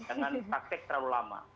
jangan praktek terlalu lama